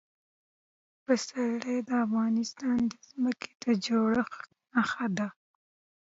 پسرلی د افغانستان د ځمکې د جوړښت نښه ده.